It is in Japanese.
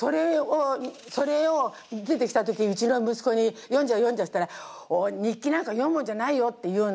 それを出てきた時にうちの息子に「読んじゃう読んじゃう」っつったら「日記なんか読むもんじゃないよ」って言うの。